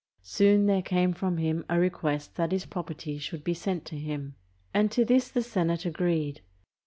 Soon there came from him a request that his property should be sent to him, and to this the Senate agreed.